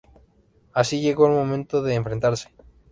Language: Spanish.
Así, llegó el momento de enfrentarse.